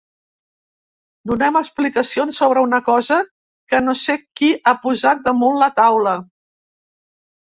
Donem explicacions sobre una cosa que no sé qui ha posat damunt la taula.